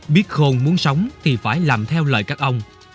biết khôn muốn sống thì phải làm theo lời các ông